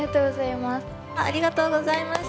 ありがとうございます。